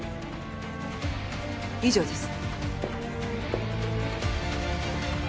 以上です。